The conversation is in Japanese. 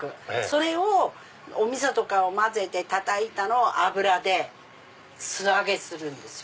それをおみそとかを混ぜてたたいたのを油で素揚げするんですよ。